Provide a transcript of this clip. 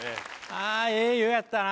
ああええ湯やったな。